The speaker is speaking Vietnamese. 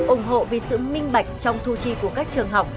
ủng hộ vì sự minh bạch trong thu chi của các trường học